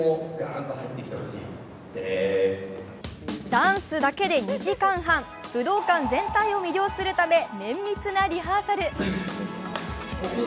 ダンスだけで２時間半武道館全体を魅了するため綿密なリハーサル。